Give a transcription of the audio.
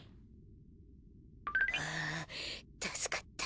はあたすかった。